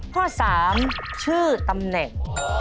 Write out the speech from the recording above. ข้อ๓ชื่อตำแหน่ง